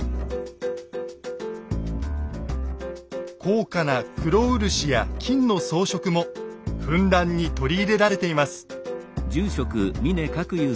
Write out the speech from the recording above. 高価な黒漆や金の装飾もふんだんに取り入れられています。